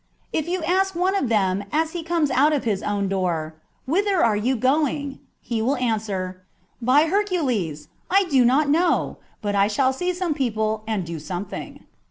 If you ask one of them as he comes out of his own door, "Whither are you going ?" he will answer, " By Hercules, I do not know : but I shall see some people and do something."